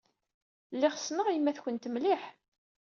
Lliɣ ssneɣ yemma-twent mliḥ.